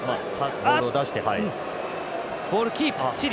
ボールを出して。